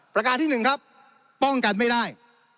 ประการที่๑ครับป้องกันไม่ได้